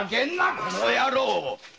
この野郎！